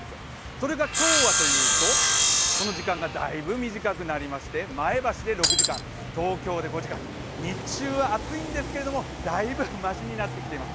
それが今日はというと、この時間がだいぶ短くなりまして前橋で６時間、東京で５時間、日中は暑いんですけれども、だいぶましになってきています。